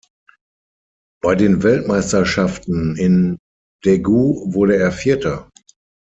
Bei den Weltmeisterschaften in Daegu wurde er Vierter.